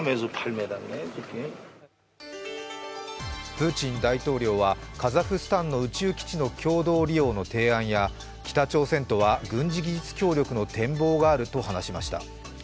プーチン大統領はカザフスタンの宇宙基地の共同利用の提案や、北朝鮮とは軍事技術協力の展望があると話しました。